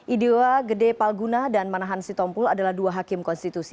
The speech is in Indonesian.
idewa gede palguna dan manahan sitompul adalah dua hakim konstitusi